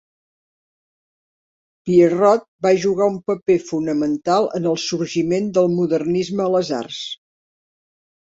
Pierrot va jugar un paper fonamental en el sorgiment del modernisme a les arts.